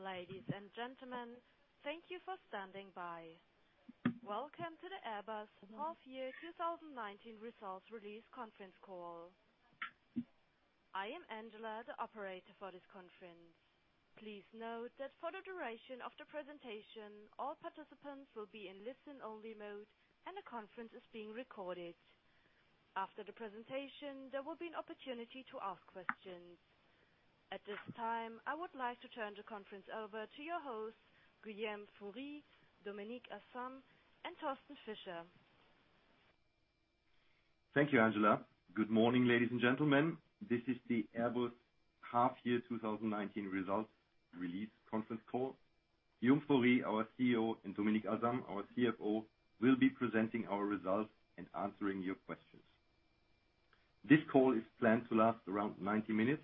Ladies and gentlemen, thank you for standing by. Welcome to the Airbus half year 2019 results release conference call. I am Angela, the operator for this conference. Please note that for the duration of the presentation, all participants will be in listen-only mode, and the conference is being recorded. After the presentation, there will be an opportunity to ask questions. At this time, I would like to turn the conference over to your host, Guillaume Faury, Dominik Asam, and Thorsten Fischer. Thank you, Angela. Good morning, ladies and gentlemen. This is the Airbus half year 2019 results release conference call. Guillaume Faury, our CEO, and Dominik Asam, our CFO, will be presenting our results and answering your questions. This call is planned to last around 90 minutes.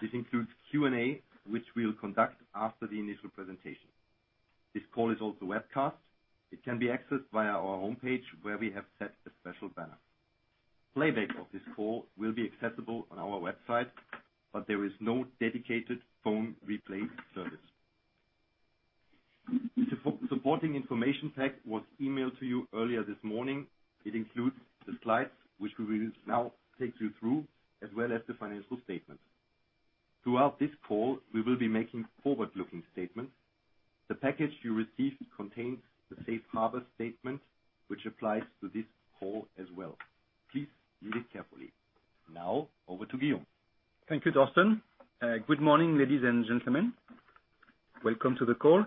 This includes Q&A, which we'll conduct after the initial presentation. This call is also webcast. It can be accessed via our homepage, where we have set a special banner. Playback of this call will be accessible on our website, but there is no dedicated phone replay service. The supporting information pack was emailed to you earlier this morning. It includes the slides, which we will now take you through, as well as the financial statements. Throughout this call, we will be making forward-looking statements. The package you received contains the safe harbor statement, which applies to this call as well. Please read it carefully. Now, over to Guillaume. Thank you, Thorsten. Good morning, ladies and gentlemen. Welcome to the call.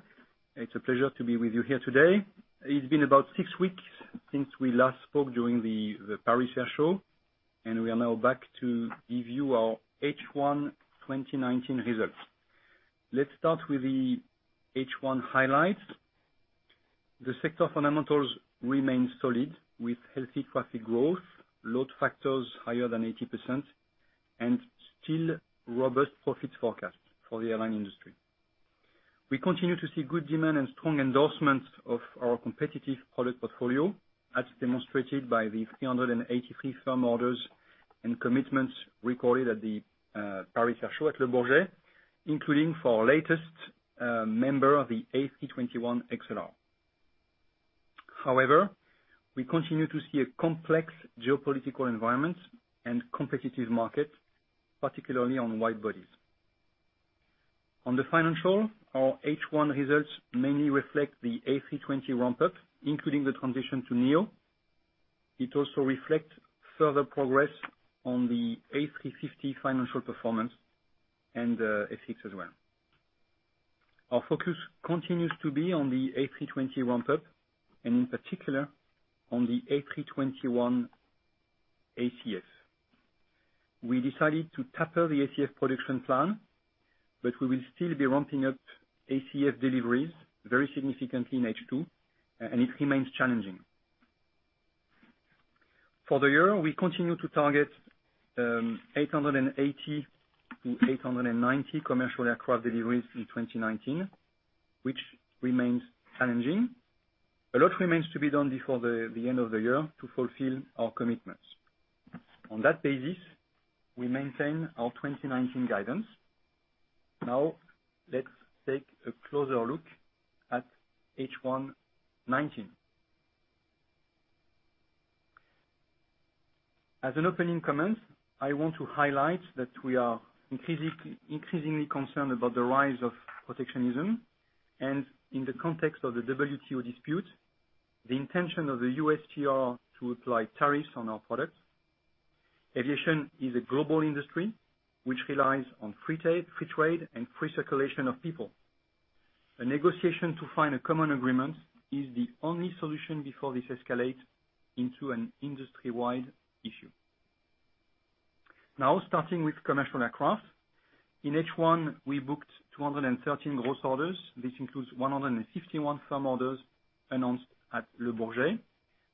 It's a pleasure to be with you here today. It's been about six weeks since we last spoke during the Paris Air Show, and we are now back to give you our H1 2019 results. Let's start with the H1 highlights. The sector fundamentals remain solid, with healthy traffic growth, load factors higher than 80%, and still robust profits forecast for the airline industry. We continue to see good demand and strong endorsements of our competitive product portfolio, as demonstrated by the 383 firm orders and commitments recorded at the Paris Air Show at Le Bourget, including for our latest member of the A321XLR. However, we continue to see a complex geopolitical environment and competitive market, particularly on widebodies. On the financial, our H1 results mainly reflect the A320 ramp-up, including the transition to neo. It also reflects further progress on the A350 financial performance and the A330 as well. Our focus continues to be on the A320 ramp-up, and in particular on the A321 ACF. We decided to taper the ACF production plan, but we will still be ramping up ACF deliveries very significantly in H2, and it remains challenging. For the year, we continue to target 880 to 890 commercial aircraft deliveries in 2019, which remains challenging. A lot remains to be done before the end of the year to fulfill our commitments. On that basis, we maintain our 2019 guidance. Now, let's take a closer look at H1 2019. As an opening comment, I want to highlight that we are increasingly concerned about the rise of protectionism and, in the context of the WTO dispute, the intention of the USTR to apply tariffs on our products. Aviation is a global industry, which relies on free trade and free circulation of people. A negotiation to find a common agreement is the only solution before this escalates into an industry-wide issue. Starting with commercial aircraft. In H1, we booked 213 gross orders. This includes 151 firm orders announced at Le Bourget.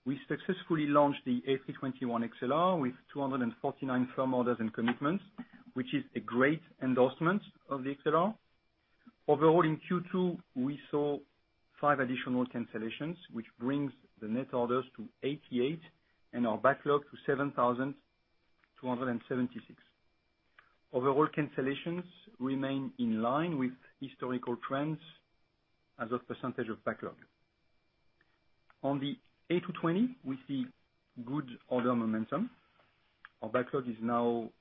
We successfully launched the A321XLR with 249 firm orders and commitments, which is a great endorsement of the XLR. Overall, in Q2, we saw five additional cancellations, which brings the net orders to 88 and our backlog to 7,276. Overall cancellations remain in line with historical trends as a percentage of backlog. On the A220, we see good order momentum. Our backlog is now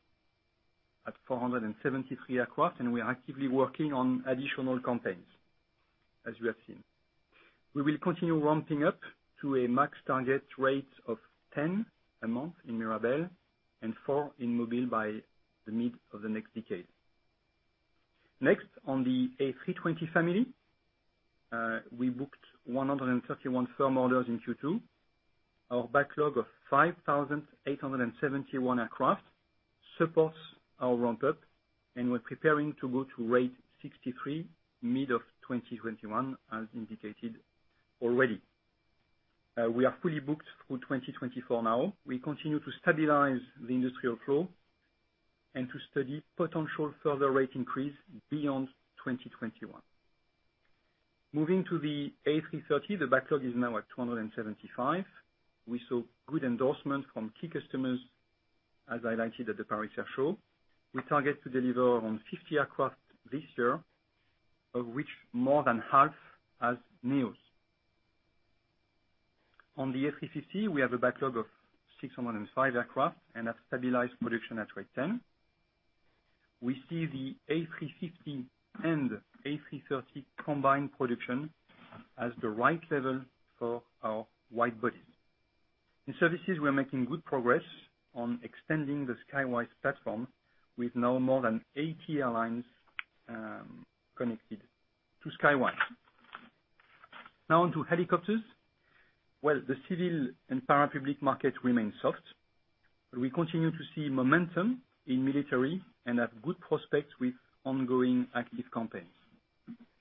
at 473 aircraft, and we are actively working on additional campaigns, as you have seen. We will continue ramping up to a max target rate of 10 a month in Mirabel and four in Mobile by the mid of the next decade. Next, on the A320 family, we booked 131 firm orders in Q2. Our backlog of 5,871 aircraft supports our ramp-up, and we're preparing to go to rate 63 mid of 2021 as indicated already. We are fully booked through 2024 now. We continue to stabilize the industrial flow and to study potential further rate increase beyond 2021. Moving to the A330, the backlog is now at 275. We saw good endorsement from key customers, as highlighted at the Paris Air Show. We target to deliver around 50 aircraft this year, of which more than 1/2 as neos. On the A350, we have a backlog of 605 aircraft and have stabilized production at rate 10. We see the A350 and A330 combined production as the right level for our widebodies. In services, we are making good progress on extending the Skywise platform, with now more than 80 airlines connected to Skywise. On to helicopters. While the civil and parapublic market remains soft, we continue to see momentum in military and have good prospects with ongoing active campaigns.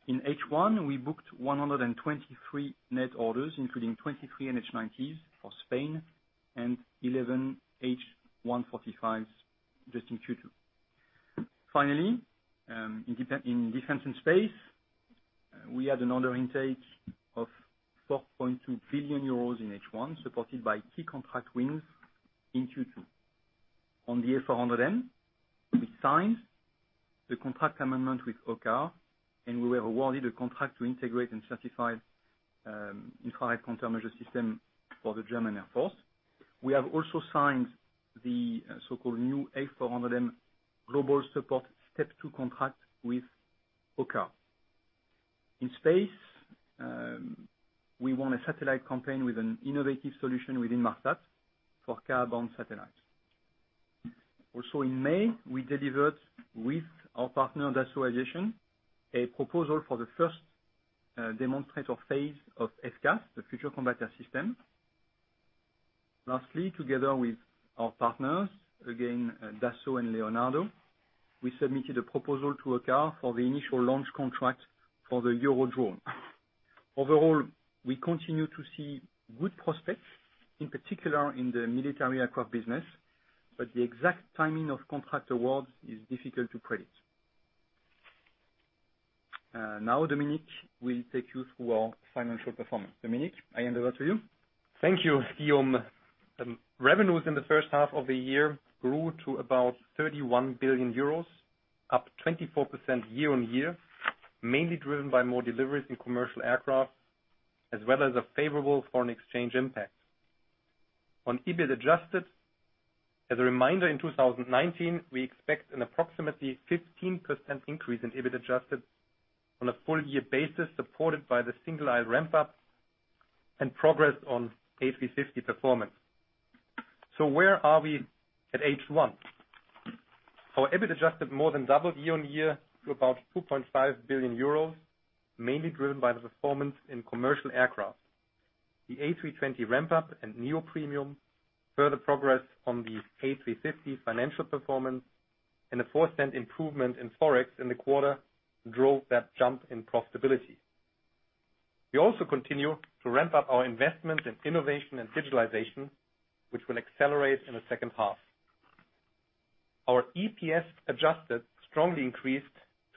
In H1, we booked 123 net orders, including 23 NH90s for Spain and 11 H145s just in Q2. In defense and space, we had an order intake of 4.2 billion euros in H1, supported by key contract wins in Q2. On the A400M, we signed the contract amendment with OCCAR. We were awarded a contract to integrate and certify Directed Infrared Counter Measures system for the German Air Force. We have also signed the so-called new A400M Global Support Step 2 contract with OCCAR. In space, we won a satellite campaign with an innovative solution with Inmarsat for Ka-band satellites. Also in May, we delivered with our partner, Dassault Aviation, a proposal for the first demonstrator phase of FCAS, the Future Combat Air System. Lastly, together with our partners, again, Dassault and Leonardo, we submitted a proposal to OCCAR for the initial launch contract for the Eurodrone. Overall, we continue to see good prospects, in particular in the military aircraft business, but the exact timing of contract awards is difficult to predict. Now, Dominik will take you through our financial performance. Dominik, I hand over to you. Thank you, Guillaume. Revenues in the first half of the year grew to about 31 billion euros, up 24% year-on-year, mainly driven by more deliveries in commercial aircraft, as well as a favorable foreign exchange impact. On EBIT Adjusted, as a reminder, in 2019, we expect an approximately 15% increase in EBIT Adjusted on a full year basis, supported by the single-aisle ramp-up and progress on A350 performance. Where are we at H1? Our EBIT Adjusted more than doubled year-on-year to about 2.5 billion euros, mainly driven by the performance in commercial aircraft. The A320 ramp-up and neo premium, further progress on the A350 financial performance, and a 4% improvement in Forex in the quarter drove that jump in profitability. We also continue to ramp up our investment in innovation and digitalization, which will accelerate in the second half. Our EPS adjusted strongly increased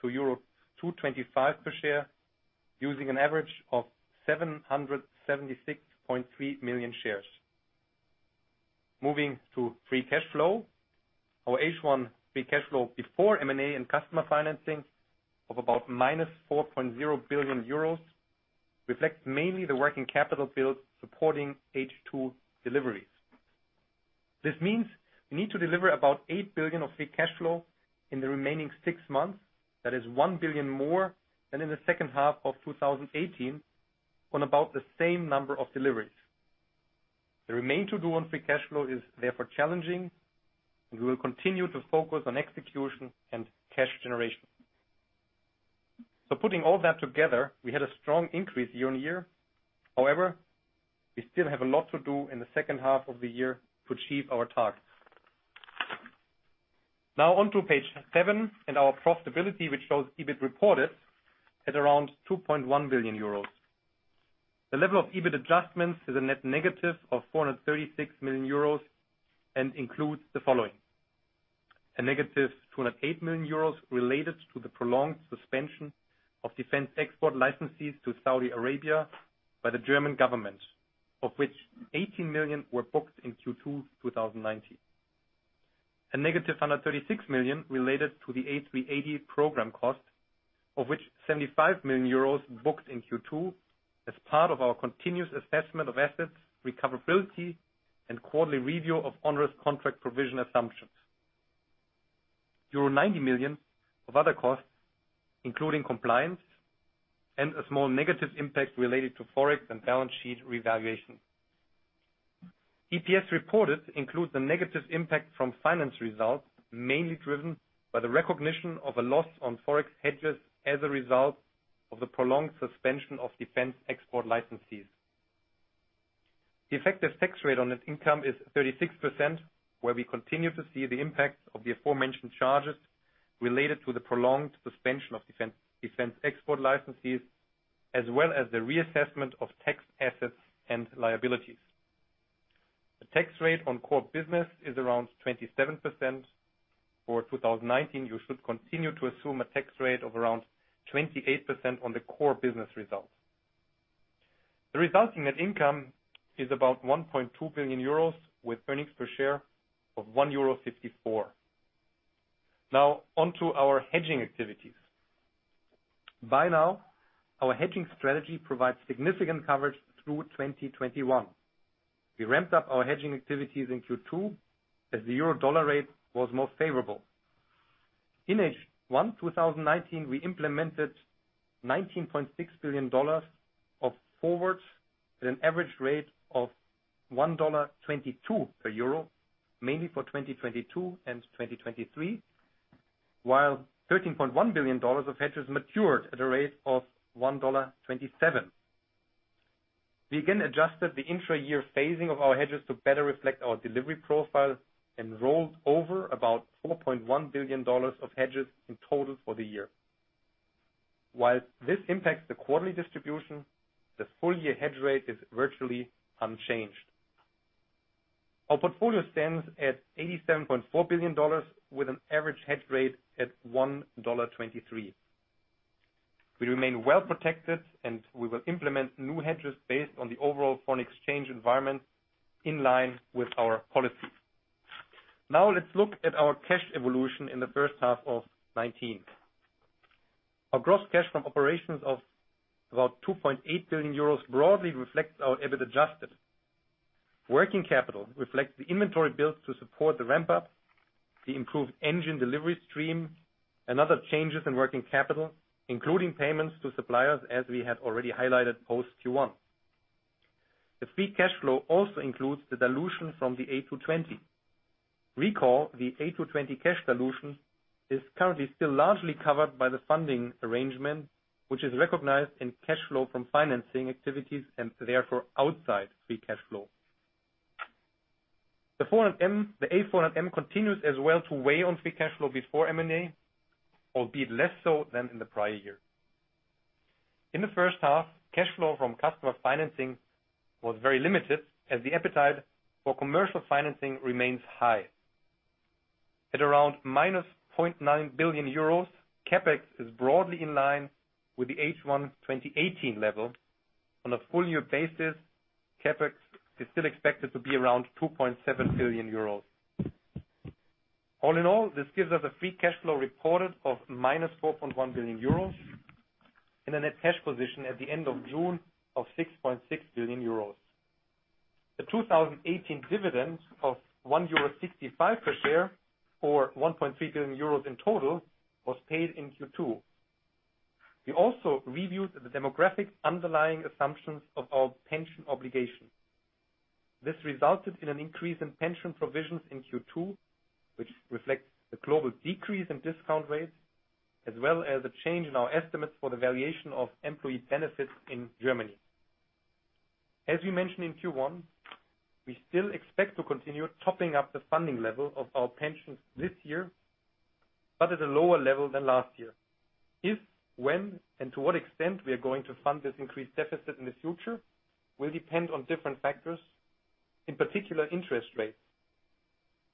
to euro 2.25 per share, using an average of 776.3 million shares. Moving to free cash flow, our H1 free cash flow before M&A and customer financing of about -4.0 billion euros reflects mainly the working capital build supporting H2 deliveries. This means we need to deliver about 8 billion of free cash flow in the remaining six months, that is 1 billion more than in the second half of 2018, on about the same number of deliveries. The remain to do on free cash flow is therefore challenging, and we will continue to focus on execution and cash generation. Putting all that together, we had a strong increase year-on-year. However, we still have a lot to do in the second half of the year to achieve our targets. On to page seven and our profitability, which shows EBIT reported at around 2.1 billion euros. The level of EBIT adjustments is a net -436 million euros and includes the following: a -208 million euros related to the prolonged suspension of defense export licenses to Saudi Arabia by the German government, of which 18 million were booked in Q2 2019; a -136 million related to the A380 program cost, of which 75 million euros booked in Q2 as part of our continuous assessment of assets recoverability and quarterly review of onerous contract provision assumptions; euro 90 million of other costs, including compliance; and a small negative impact related to Forex and balance sheet revaluation. EPS reported includes the negative impact from finance results, mainly driven by the recognition of a loss on Forex hedges as a result of the prolonged suspension of defense export licenses. The effective tax rate on net income is 36%, where we continue to see the impact of the aforementioned charges related to the prolonged suspension of defense export licenses, as well as the reassessment of tax assets and liabilities. The tax rate on core business is around 27%. For 2019, you should continue to assume a tax rate of around 28% on the core business results. The resulting net income is about 1.2 billion euros with earnings per share of 1.54 euro. Now, on to our hedging activities. By now, our hedging strategy provides significant coverage through 2021. We ramped up our hedging activities in Q2 as the euro-dollar rate was most favorable. In H1 2019, we implemented $19.6 billion of forwards at an average rate of $1.22 per euro, mainly for 2022 and 2023, while $13.1 billion of hedges matured at a rate of $1.27. We again adjusted the intra-year phasing of our hedges to better reflect our delivery profile and rolled over about $4.1 billion of hedges in total for the year. While this impacts the quarterly distribution, the full year hedge rate is virtually unchanged. Our portfolio stands at $87.4 billion with an average hedge rate at $1.23. We remain well protected, and we will implement new hedges based on the overall foreign exchange environment in line with our policy. Now let's look at our cash evolution in the first half of 2019. Our gross cash from operations of about 2.8 billion euros broadly reflects our EBIT Adjusted. Working capital reflects the inventory built to support the ramp up, the improved engine delivery stream and other changes in working capital, including payments to suppliers as we had already highlighted post Q1. The free cash flow also includes the dilution from the A220. Recall the A220 cash dilution is currently still largely covered by the funding arrangement, which is recognized in cash flow from financing activities and therefore outside free cash flow. The A400M continues as well to weigh on free cash flow before M&A, albeit less so than in the prior year. In the first half, cash flow from customer financing was very limited as the appetite for commercial financing remains high. At around -0.9 billion euros, CapEx is broadly in line with the H1 2018 level. On a full-year basis, CapEx is still expected to be around 2.7 billion euros. All in all, this gives us a free cash flow reported of -4.1 billion euros and a net cash position at the end of June of 6.6 billion euros. The 2018 dividends of 1.65 euro per share, or 1.3 billion euros in total, was paid in Q2. We also reviewed the demographic underlying assumptions of our pension obligations. This resulted in an increase in pension provisions in Q2, which reflects the global decrease in discount rates, as well as a change in our estimates for the valuation of employee benefits in Germany. As we mentioned in Q1, we still expect to continue topping up the funding level of our pensions this year, but at a lower level than last year. If, when, and to what extent we are going to fund this increased deficit in the future will depend on different factors, in particular, interest rates.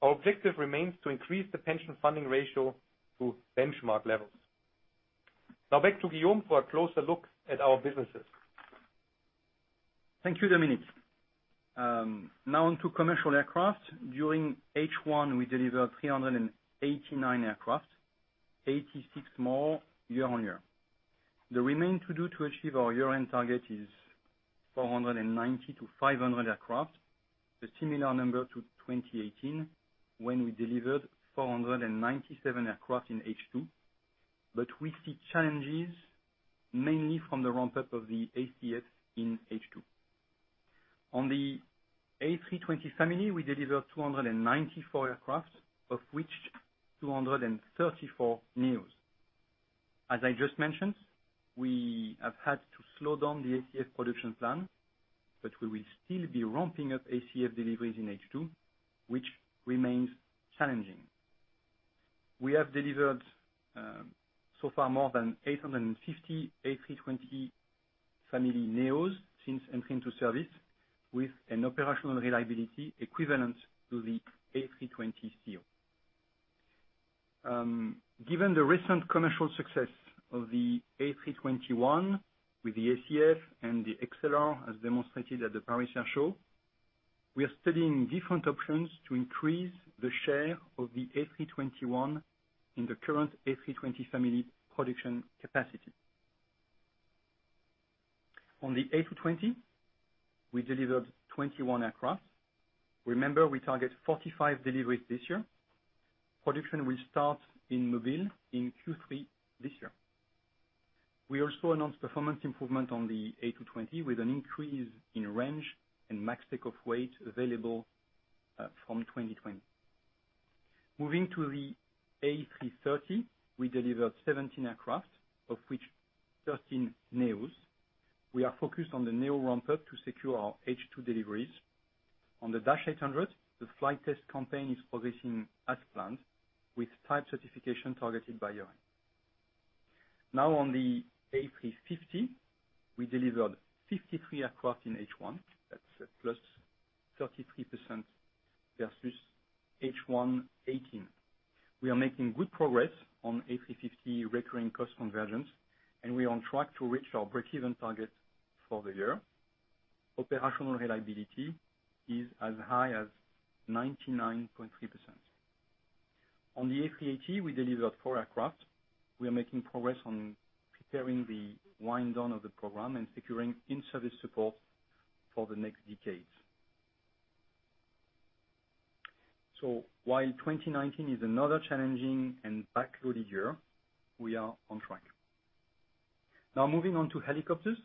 Our objective remains to increase the pension funding ratio to benchmark levels. Now back to Guillaume for a closer look at our businesses. Thank you, Dominik. Now on to commercial aircraft. During H1, we delivered 389 aircraft, 86 more year-on-year. The remain to do to achieve our year-end target is 490-500 aircraft. A similar number to 2018, when we delivered 497 aircraft in H2, but we see challenges mainly from the ramp-up of the ACF in H2. On the A320 family, we delivered 294 aircraft, of which 234 neos. As I just mentioned, we have had to slow down the ACF production plan, but we will still be ramping up ACF deliveries in H2, which remains challenging. We have delivered so far more than 850 A320 family neos since entering to service with an operational reliability equivalent to the A320ceo. Given the recent commercial success of the A321 with the ACF and the XLR, as demonstrated at the Paris Air Show, we are studying different options to increase the share of the A321 in the current A320 family production capacity. On the A220, we delivered 21 aircraft. Remember, we target 45 deliveries this year. Production will start in Mobile in Q3 this year. We also announced performance improvement on the A220 with an increase in range and max take-off weight available from 2020. Moving to the A330, we delivered 17 aircraft, of which 13 neos. We are focused on the neo ramp-up to secure our H2 deliveries. On the A330-800, the flight test campaign is progressing as planned with type certification targeted by year-end. On the A350, we delivered 53 aircraft in H1. That's a +33% versus H1 2018. We are making good progress on A350 recurring cost convergence, and we are on track to reach our breakeven target for the year. Operational reliability is as high as 99.3%. On the A380, we delivered four aircraft. We are making progress on preparing the wind down of the program and securing in-service support for the next decades. While 2019 is another challenging and back-loaded year, we are on track. Now moving on to helicopters.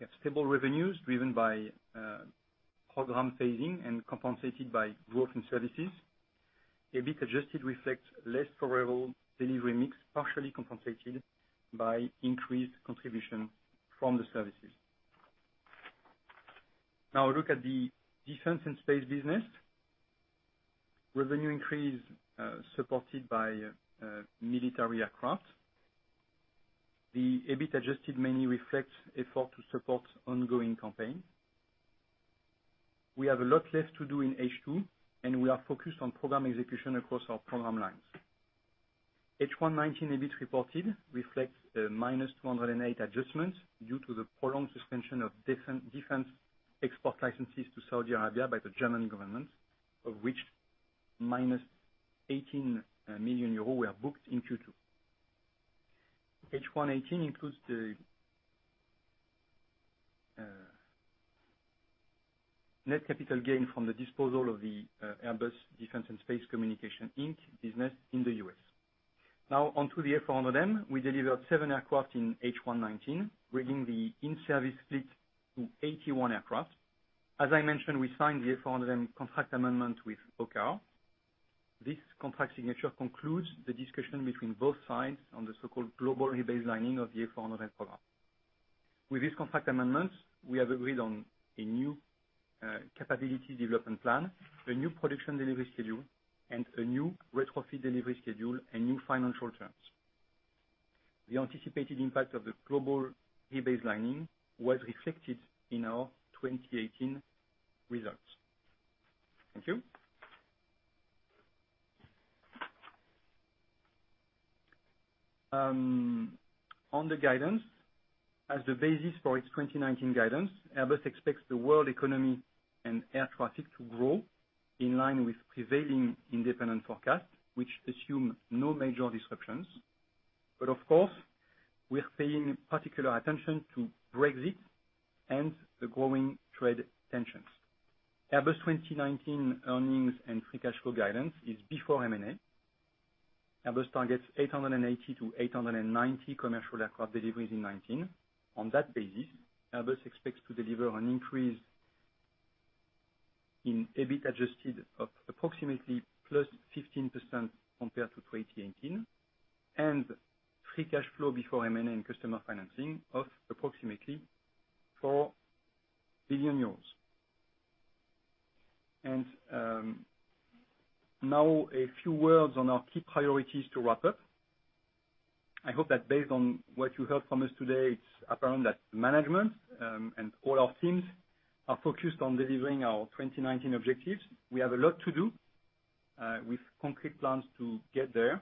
We have stable revenues driven by program phasing and compensated by growth in services. EBIT Adjusted reflects less favorable delivery mix, partially compensated by increased contribution from the services. Now a look at the defense and space business. Revenue increase, supported by military aircraft. The EBIT Adjusted mainly reflects effort to support ongoing campaign. We have a lot left to do in H2, and we are focused on program execution across our program lines. H1 2019 EBIT reported reflects a -208 adjustments due to the prolonged suspension of defense export licenses to Saudi Arabia by the German government, of which -18 million euros were booked in Q2. H1 2018 includes the net capital gain from the disposal of the Airbus Defence and Space Communications Inc business in the U.S. Now on to the A400M. We delivered seven aircraft in H1 2019, bringing the in-service fleet to 81 aircraft. As I mentioned, we signed the A400M contract amendment with OCCAR. This contract signature concludes the discussion between both sides on the so-called Global Rebaselining of the A400M program. With this contract amendment, we have agreed on a new capability development plan, a new production delivery schedule, and a new retrofit delivery schedule and new financial terms. The anticipated impact of the Global Rebaselining was reflected in our 2018 results. Thank you. On the guidance, as the basis for its 2019 guidance, Airbus expects the world economy and air traffic to grow in line with prevailing independent forecasts, which assume no major disruptions. Of course, we're paying particular attention to Brexit and the growing trade tensions. Airbus 2019 earnings and free cash flow guidance is before M&A. Airbus targets 880 to 890 commercial aircraft deliveries in 2019. On that basis, Airbus expects to deliver an increase in EBIT Adjusted of approximately +15% compared to 2018, and free cash flow before M&A and customer financing of approximately EUR 4 billion. Now a few words on our key priorities to wrap up. I hope that based on what you heard from us today, it's apparent that management and all our teams are focused on delivering our 2019 objectives. We have a lot to do with concrete plans to get there.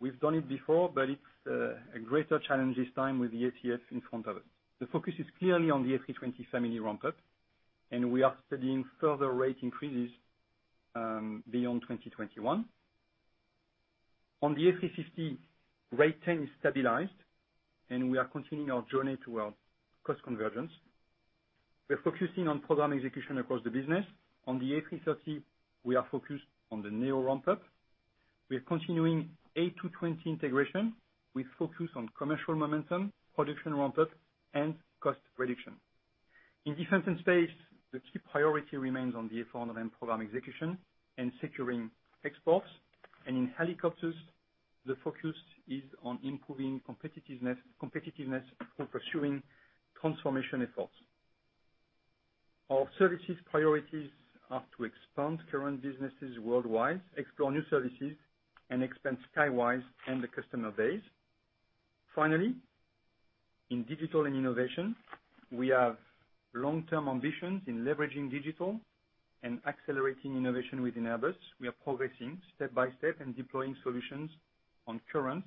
We've done it before, but it's a greater challenge this time with the ATF in front of us. The focus is clearly on the A320 family ramp-up, and we are studying further rate increases, beyond 2021. On the A350, rate 10 is stabilized, and we are continuing our journey to our cost convergence. We're focusing on program execution across the business. On the A330, we are focused on the neo ramp-up. We are continuing A220 integration with focus on commercial momentum, production ramp-up, and cost reduction. In defense and space, the key priority remains on the A400M program execution and securing exports. In helicopters, the focus is on improving competitiveness for pursuing transformation efforts. Our services priorities are to expand current businesses worldwide, explore new services, and expand Skywise and the customer base. Finally, in digital and innovation, we have long-term ambitions in leveraging digital and accelerating innovation within Airbus. We are progressing step by step and deploying solutions on current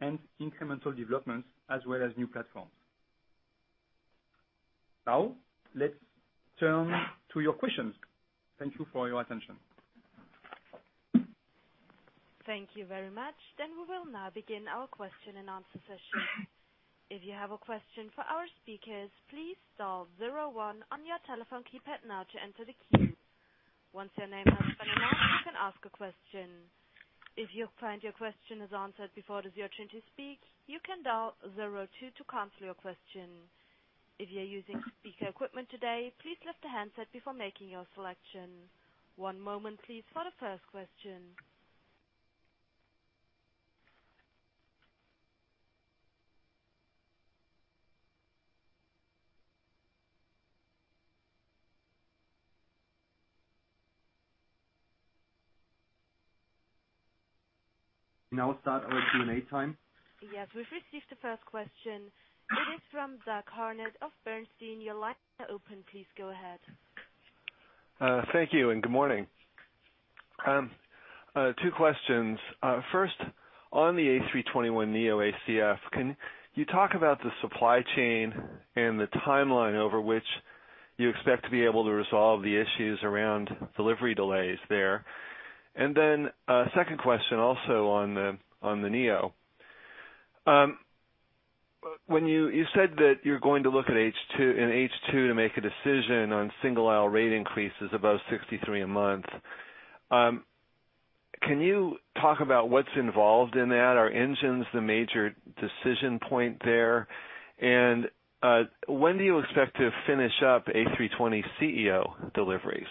and incremental developments as well as new platforms. Now, let's turn to your questions. Thank you for your attention. Thank you very much. We will now begin our question-and-answer session. If you have a question for our speakers, please dial zero one on your telephone keypad now to enter the queue. Once your name has been announced, you can ask a question. If you find your question is answered before it is your turn to speak, you can dial zero two to cancel your question. If you're using speaker equipment today, please lift the handset before making your selection. One moment please for the first question. Start our Q&A time. Yes. We've received the first question. It is from Doug Harned of Bernstein. Your line is now open. Please go ahead. Thank you and good morning. Two questions. First, on the A321neo ACF, can you talk about the supply chain and the timeline over which you expect to be able to resolve the issues around delivery delays there? Second question also on the neo. You said that you're going to look in H2 to make a decision on single-aisle rate increases above 63 a month. Can you talk about what's involved in that? Are engines the major decision point there? When do you expect to finish up A320ceo deliveries?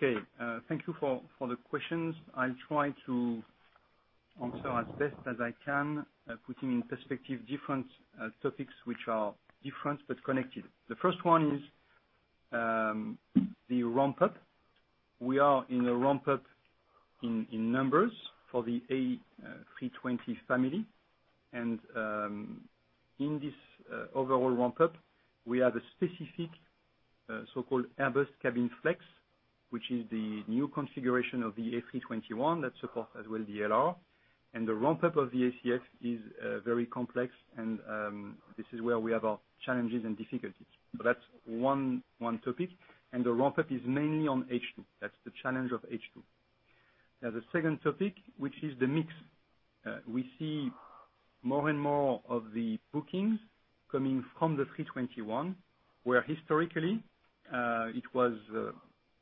Thank you for the questions. I'll try to answer as best as I can, putting in perspective different topics which are different but connected. The first one is the ramp-up. We are in a ramp-up in numbers for the A320 family. In this overall ramp-up, we have a specific so-called Airbus Cabin Flex, which is the new configuration of the A321 that supports as well the LR. The ramp-up of the ACF is very complex and this is where we have our challenges and difficulties. That's one topic. The ramp-up is mainly on H2. That's the challenge of H2. The second topic, which is the mix. We see more and more of the bookings coming from the A321, where historically, it was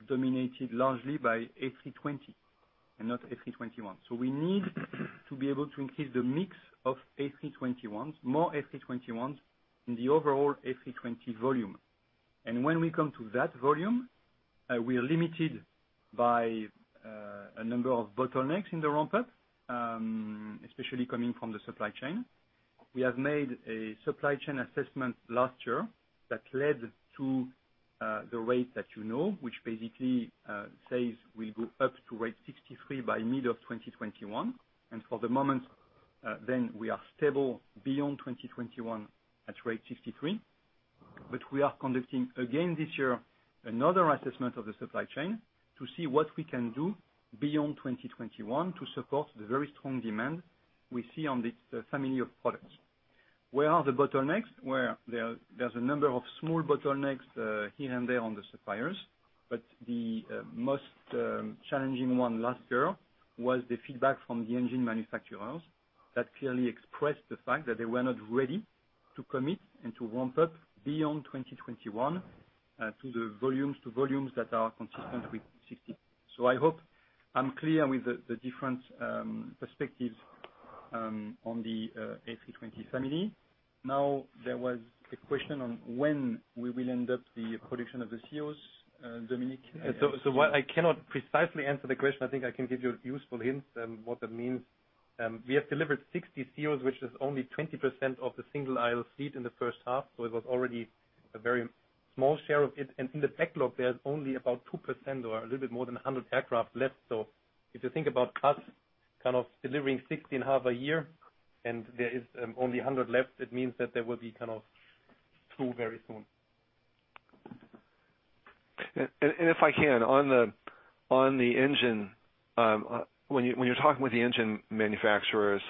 dominated largely by A320 and not A321. We need to be able to increase the mix of A321s, more A321s in the overall A320 volume. When we come to that volume, we are limited by a number of bottlenecks in the ramp-up, especially coming from the supply chain. We have made a supply chain assessment last year that led to the rate that you know, which basically says we go up to rate 63 by mid of 2021. For the moment then, we are stable beyond 2021 at rate 63. We are conducting, again this year, another assessment of the supply chain to see what we can do beyond 2021 to support the very strong demand we see on this family of products. Where are the bottlenecks? Well, there's a number of small bottlenecks here and there on the suppliers, but the most challenging one last year was the feedback from the engine manufacturers that clearly expressed the fact that they were not ready to commit and to ramp up beyond 2021 to volumes that are consistent with 60. I hope I'm clear with the different perspectives on the A320 family. Now, there was a question on when we will end up the production of the ceos. Dominik? While I cannot precisely answer the question, I think I can give you useful hints what that means. We have delivered 60 A320ceos, which is only 20% of the single-aisle seat in the first half, so it was already a very small share of it. In the backlog, there's only about 2% or a little bit more than 100 aircraft left. If you think about us kind of delivering 60 in half a year, and there is only 100 left, it means that they will be kind of through very soon. If I can, on the engine, when you're talking with the engine manufacturers,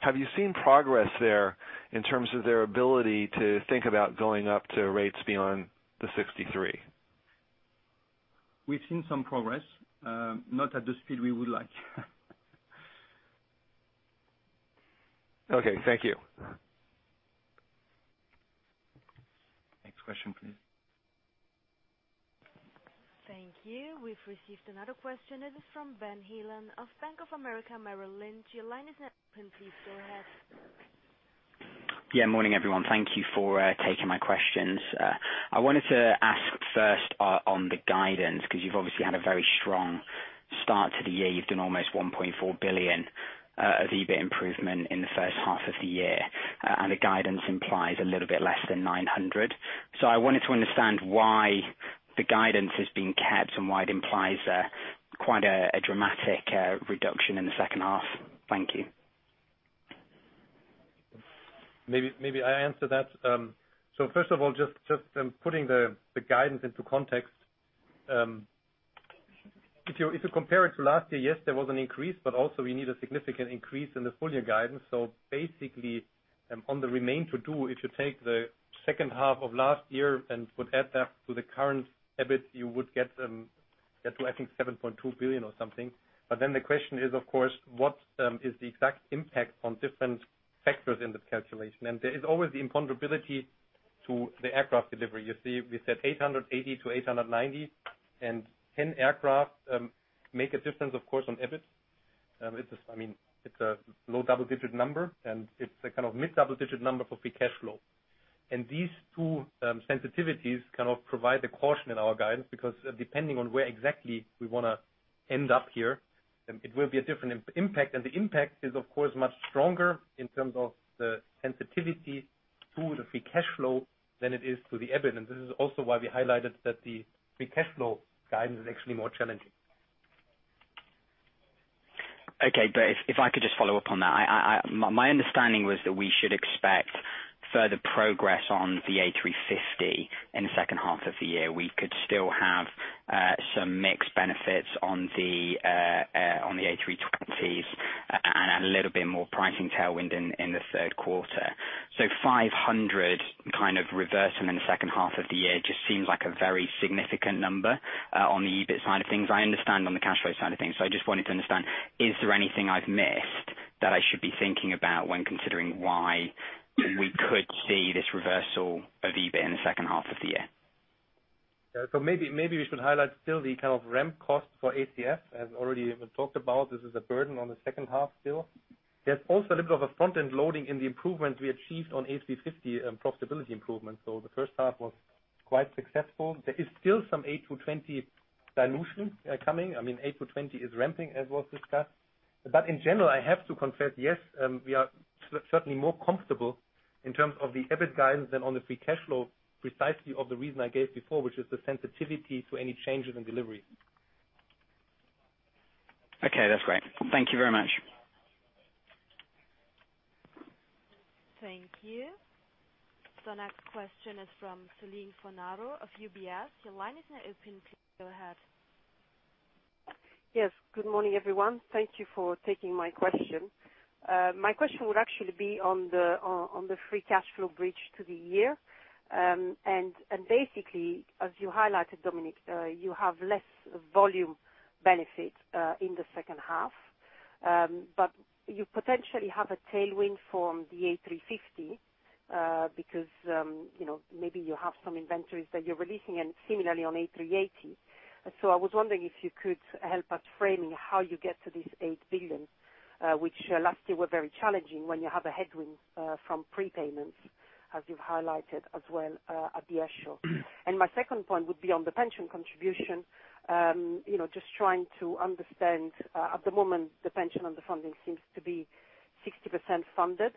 have you seen progress there in terms of their ability to think about going up to rates beyond the 63? We've seen some progress. Not at the speed we would like. Okay. Thank you. Next question, please. Thank you. We've received another question. It is from Ben Heelan of Bank of America Merrill Lynch. Your line is now open. Please go ahead. Morning, everyone. Thank you for taking my questions. I wanted to ask first on the guidance, because you've obviously had a very strong start to the year. You've done almost 1.4 billion of EBIT improvement in the first half of the year. The guidance implies a little bit less than 900 aircrafts. I wanted to understand why the guidance is being kept and why it implies quite a dramatic reduction in the second half. Thank you. Maybe I answer that. First of all, just putting the guidance into context. If you compare it to last year, yes, there was an increase, we need a significant increase in the full-year guidance. On the remain to do, if you take the second half of last year and would add that to the current EBIT, you would get to, I think, 7.2 billion or something. The question is, of course, what is the exact impact on different factors in the calculation? There is always the imponderability to the aircraft delivery. You see, we said 880 to 890 aircrafts. 10 aircraft make a difference, of course, on EBIT. It's a low double-digit number, and it's a kind of mid double-digit number for free cash flow. These two sensitivities kind of provide the caution in our guidance, because depending on where exactly we want to end up here, it will be a different impact. The impact is, of course, much stronger in terms of the sensitivity to the free cash flow than it is to the EBIT. This is also why we highlighted that the free cash flow guidance is actually more challenging. If I could just follow up on that. My understanding was that we should expect further progress on the A350 in the second half of the year. We could still have some mixed benefits on the A320s and a little bit more pricing tailwind in the third quarter. 500 kind of reversal in the second half of the year just seems like a very significant number on the EBIT side of things. I understand on the cash flow side of things. I just wanted to understand, is there anything I've missed that I should be thinking about when considering why we could see this reversal of EBIT in the second half of the year? Maybe we should highlight still the kind of ramp cost for ACF, as already we talked about, this is a burden on the second half still. There's also a little bit of a front-end loading in the improvement we achieved on A350 profitability improvement. The first half was quite successful. There is still some A220 dilution coming. A220 is ramping, as was discussed. In general, I have to confess, yes, we are certainly more comfortable in terms of the EBIT guidance than on the free cash flow, precisely of the reason I gave before, which is the sensitivity to any changes in delivery. That's great. Thank you very much. Thank you. The next question is from Céline Fornaro of UBS. Your line is now open. Please go ahead. Yes. Good morning, everyone. Thank you for taking my question. My question would actually be on the free cash flow bridge to the year. Basically, as you highlighted, Dominik, you have less volume benefit in the second half. You potentially have a tailwind from the A350, because maybe you have some inventories that you're releasing, and similarly on A380. I was wondering if you could help us framing how you get to this 8 billion, which last year were very challenging when you have a headwind from prepayments, as you've highlighted as well at the Paris Air Show. My second point would be on the pension contribution. Just trying to understand, at the moment, the pension underfunding seems to be 60% funded.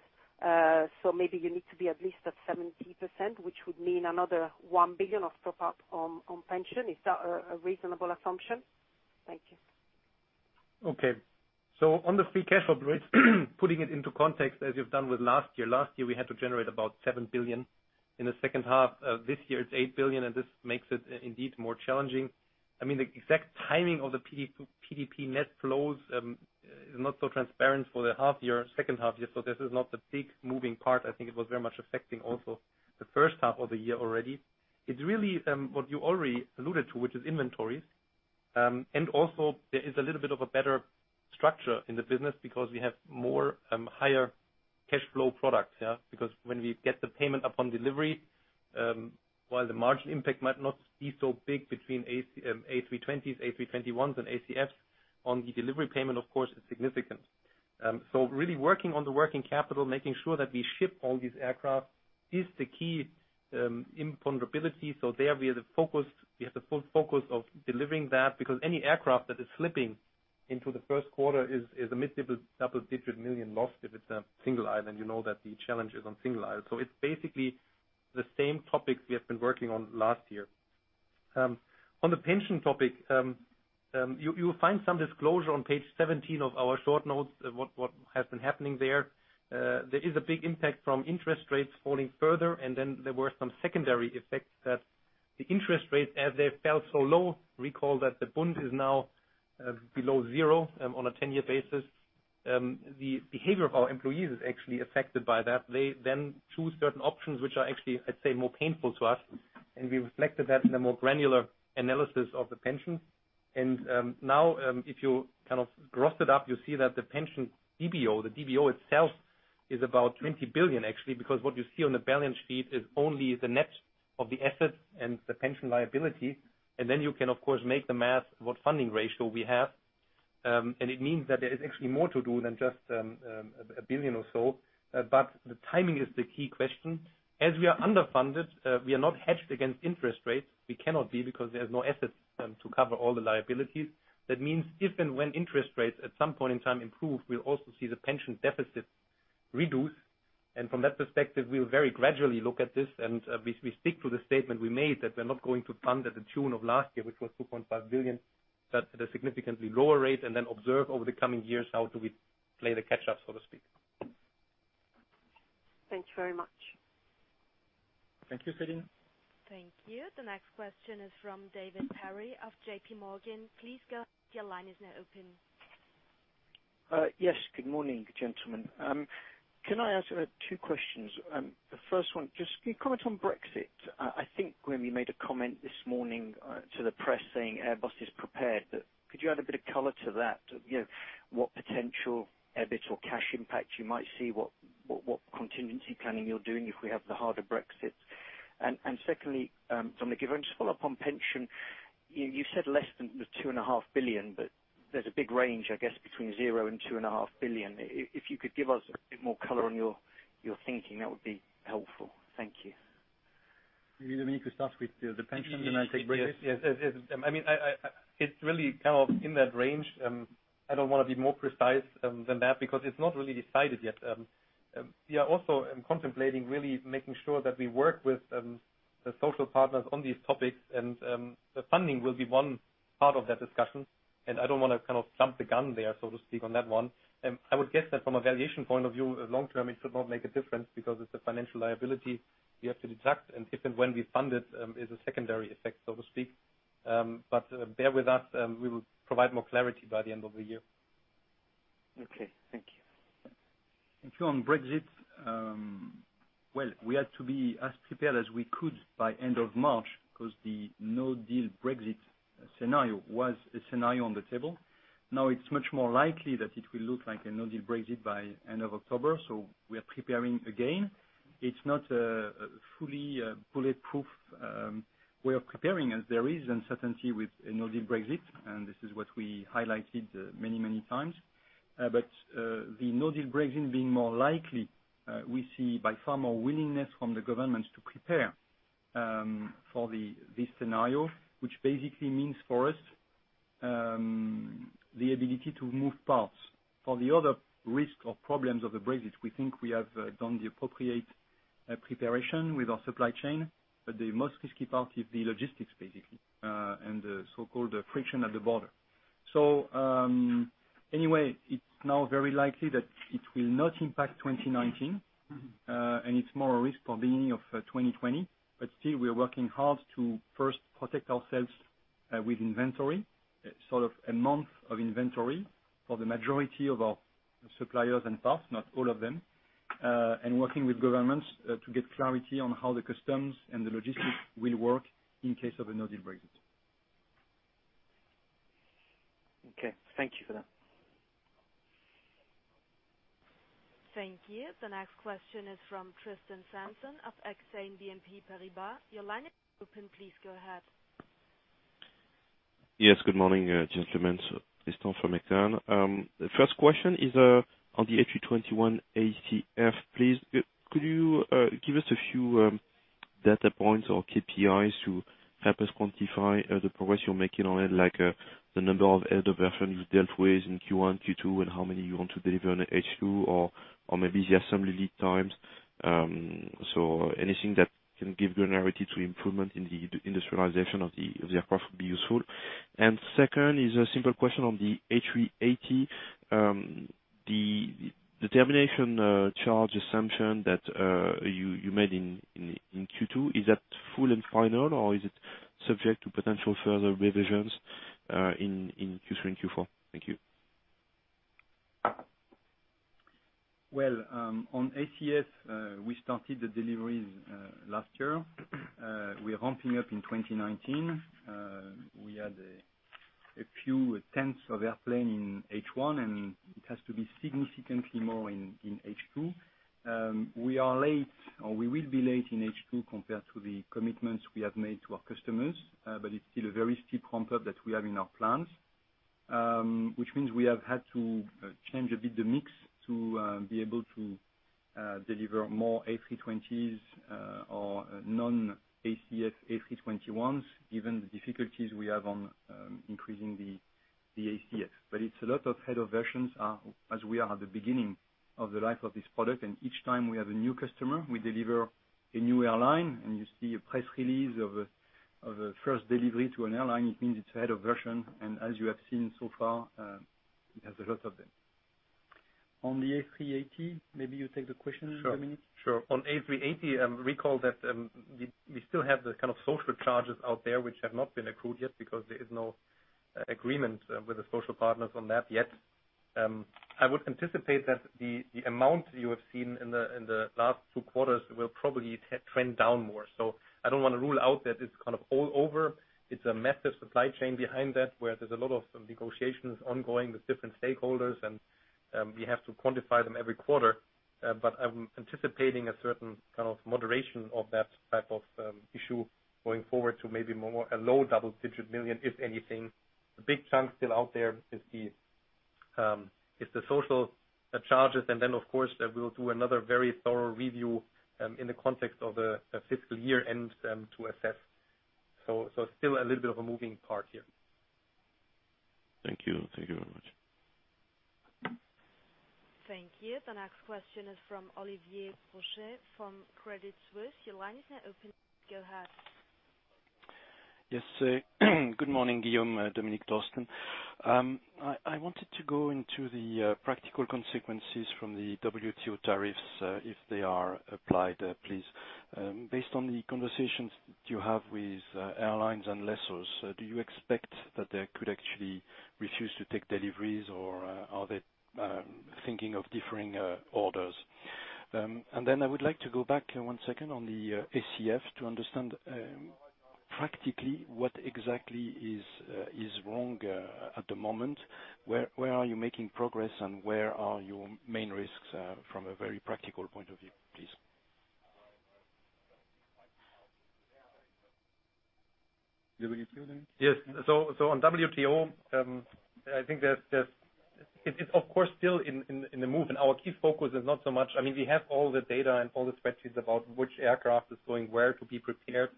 Maybe you need to be at least at 70%, which would mean another 1 billion of top-up on pension. Is that a reasonable assumption? Thank you. On the free cash flow bridge, putting it into context as you've done with last year. Last year, we had to generate about 7 billion in the second half. This year it's 8 billion, and this makes it indeed more challenging. The exact timing of the PDP net flows is not so transparent for the second half year. This is not the big moving part. I think it was very much affecting also the first half of the year already. It's really what you already alluded to, which is inventories. Also there is a little bit of a better structure in the business because we have more higher cash flow product. When we get the payment upon delivery, while the margin impact might not be so big between A320s, A321s and ACFs, on the delivery payment, of course, it's significant. Really working on the working capital, making sure that we ship all these aircraft is the key imponderability. There we have the full focus of delivering that, because any aircraft that is slipping into the first quarter is a mid-double-digit million loss if it's a single-aisle, and you know that the challenge is on single-aisle. Basically, it's the same topic we've been working on last year. On the pension topic, you will find some disclosure on page 17 of our short notes, what has been happening there. There is a big impact from interest rates falling further, and then there were some secondary effects that the interest rates, as they fell so low. Recall that the bond is now below zero on a 10-year basis. The behavior of our employees is actually affected by that. They choose certain options which are actually, I'd say, more painful to us, and we reflected that in a more granular analysis of the pension. Now, if you kind of gross it up, you see that the pension DBO, the DBO itself, is about 20 billion actually, because what you see on the balance sheet is only the net of the assets and the pension liability, and you can, of course, make the math what funding ratio we have. It means that there is actually more to do than just 1 billion or so. The timing is the key question. As we are underfunded, we are not hedged against interest rates. We cannot be, because there is no assets to cover all the liabilities. That means if and when interest rates at some point in time improve, we'll also see the pension deficit reduce. From that perspective, we'll very gradually look at this, and we stick to the statement we made, that we're not going to fund at the tune of last year, which was 2.5 billion. That's at a significantly lower rate. Observe over the coming years, how do we play the catch-up, so to speak. Thank you very much. Thank you, Céline. Thank you. The next question is from David Perry of JPMorgan. Please go ahead. Your line is now open. Good morning, gentlemen. Can I ask two questions? The first one, just can you comment on Brexit? I think Guillaume made a comment this morning to the press saying Airbus is prepared. Could you add a bit of color to that? What potential EBIT or cash impact you might see? What contingency planning you're doing if we have the harder Brexit? Secondly, Dominik, if I can just follow up on pension. You said less than 2.5 billion, but there's a big range, I guess, between 0 and 2.5 billion. If you could give us a bit more color on your thinking, that would be helpful. Thank you. Maybe Dominik start with the pension, then I take Brexit. Yes. It's really kind of in that range. I don't want to be more precise than that because it's not really decided yet. We are also contemplating really making sure that we work with the social partners on these topics. Funding will be one part of that discussion, and I don't want to kind of jump the gun there, so to speak, on that one. I would guess that from a valuation point of view, long-term, it should not make a difference because it's a financial liability we have to deduct, and if and when we fund it, is a secondary effect, so to speak. Bear with us, we will provide more clarity by the end of the year. Okay. Thank you. On Brexit, well, we had to be as prepared as we could by end of March because the no-deal Brexit scenario was a scenario on the table. Now it's much more likely that it will look like a no-deal Brexit by end of October. We are preparing again. It's not a fully bulletproof way of preparing, as there is uncertainty with a no-deal Brexit. This is what we highlighted many times. The no-deal Brexit being more likely, we see by far more willingness from the governments to prepare for this scenario, which basically means for us, the ability to move parts. For the other risk or problems of the Brexit, we think we have done the appropriate preparation with our supply chain, but the most risky part is the logistics basically, and the so-called friction at the border. Anyway, it's now very likely that it will not impact 2019, and it's more a risk for the beginning of 2020. Still, we are working hard to first protect ourselves with inventory, sort of a month of inventory for the majority of our suppliers and parts, not all of them, and working with governments to get clarity on how the customs and the logistics will work in case of a no-deal Brexit. Thank you for that. Thank you. The next question is from Tristan Sanson of Exane BNP Paribas. Your line is open. Please go ahead. Good morning, gentlemen. Tristan from Exane. The first question is on the A321 ACF, please. Could you give us a few data points or KPIs to help us quantify the progress you're making on it, like the number of head-of-version you dealt with in Q1, Q2, and how many you want to deliver in H2 or maybe the assembly lead times? Anything that can give granularity to improvement in the industrialization of the aircraft would be useful. Second is a simple question on the A380. The termination charge assumption that you made in Q2, is that full and final, or is it subject to potential further revisions, in Q3 and Q4? Thank you. Well, on ACF, we started the deliveries last year. We are ramping up in 2019. We had a few tenths of airplane in H1. It has to be significantly more in H2. We are late, or we will be late in H2 compared to the commitments we have made to our customers. It's still a very steep ramp-up that we have in our plans, which means we have had to change a bit the mix to be able to deliver more A320s or non-ACF A321s, given the difficulties we have on increasing the ACF. It's a lot of header versions as we are at the beginning of the life of this product, and each time we have a new customer, we deliver a new airline, and you see a press release of a first delivery to an airline, it means it's a header version. As you have seen so far, we have a lot of them. On the A380, maybe you take the question, Dominik? Sure. On A380, recall that we still have the social charges out there, which have not been accrued yet because there is no agreement with the social partners on that yet. I would anticipate that the amount you have seen in the last two quarters will probably trend down more. I don't want to rule out that it's all over. It's a massive supply chain behind that, where there's a lot of negotiations ongoing with different stakeholders, and we have to quantify them every quarter. I'm anticipating a certain kind of moderation of that type of issue going forward to maybe a low double-digit million, if anything. The big chunk still out there is the social charges, and then, of course, we will do another very thorough review in the context of a fiscal year-end to assess. Still a little bit of a moving part here. Thank you very much. Thank you. The next question is from Olivier Brochet from Credit Suisse. Your line is now open. Go ahead. Good morning, Guillaume, Dominik, Thorsten. I wanted to go into the practical consequences from the WTO tariffs if they are applied, please. Based on the conversations that you have with airlines and lessors, do you expect that they could actually refuse to take deliveries, or are they thinking of differing orders? I would like to go back one second on the ACF to understand practically what exactly is wrong at the moment. Where are you making progress and where are your main risks from a very practical point of view, please? On WTO, I think it's, of course, still in the move, and our key focus is not so much—We have all the data and all the spreadsheets about which aircraft is going where to be prepared